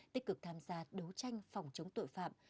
tích cực tham gia đấu tranh phòng chống tội phạm